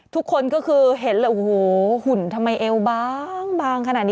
ทุกคนก็คือเห็นเลยโอ้โหหุ่นทำไมเอวบางขนาดนี้